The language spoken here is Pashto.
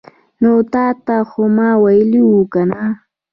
نو تاته خو ما ویلې وو کنه